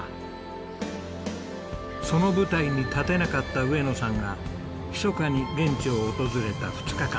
その舞台に立てなかった上野さんがひそかに現地を訪れた２日間。